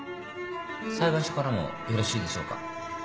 裁判所からもよろしいでしょうか。